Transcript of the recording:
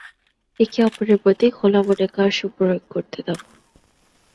একে অপরের প্রতি খোলা মনে কার্স প্রয়োগ করতে দাও!